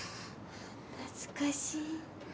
懐かしい。